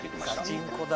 ガチンコだ。